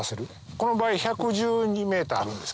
この場合１１２ｍあるんですけれども。